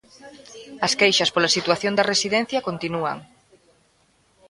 As queixas pola situación da residencia continúan.